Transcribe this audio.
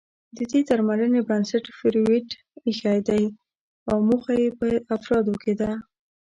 د دې درملنې بنسټ فرویډ اېښی دی او موخه يې په افرادو کې د